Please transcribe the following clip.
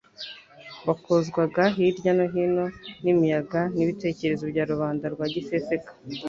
Bakozwaga hirya no hino n'imiyaga y'ibitekerezo bya rubanda rwa giseseka.